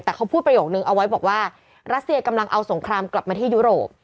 แต่เขาพูดประโยคนึงเอาไว้บอกว่ารัสเซียกำลังเอาสงครามกลับมาที่ยุโรป